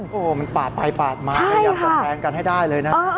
โอ้โหมันปาดไปปาดมาพยายามจะแทงกันให้ได้เลยนะ